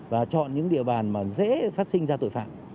và chọn những địa bàn mà dễ phát sinh ra tội phạm